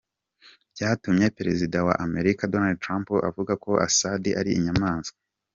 Byatumye Perezida wa Amerika, Donald Trump, avuga ko Assad ari inyamaswa.